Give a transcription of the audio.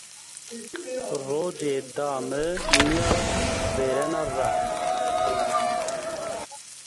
Rocê da mı nia vêrena ra.